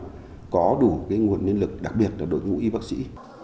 để có đủ cái nguồn nhân lực đặc biệt là đội ngũ y bác sĩ